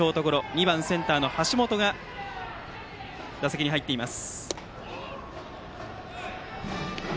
２番センターの橋本が打席に入っています。